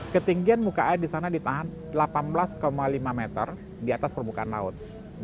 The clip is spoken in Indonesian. ketinggian muka air di sana ditahan delapan belas lima meter di atas permukaan laut